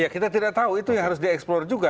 kita tidak tahu itu yang harus dieksplor juga